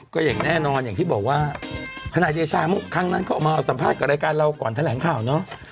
ก็อย่างแน่นอนอย่างที่บอกว่าทนายเดชาเมื่อครั้งนั้นเขาออกมาสัมภาษณ์กับรายการเราก่อนแถลงข่าวเนาะ